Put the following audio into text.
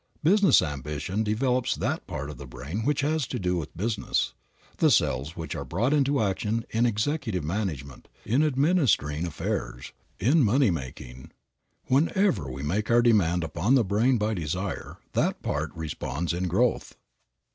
Business ambition develops that part of the brain which has to do with business, the cells which are brought into action in executive management, in administering affairs, in money making. Wherever we make our demand upon the brain by desire that part responds in growth.